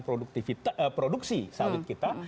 produksi sawit kita